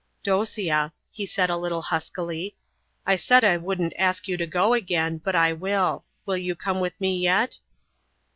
"Dosia," he said a little huskily, "I said I wouldn't ask you to go again, but I will. Will you come with me yet?"